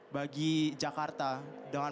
bagi jakarta dengan